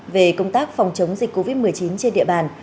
về công tác phòng chống dịch covid một mươi chín trên địa bàn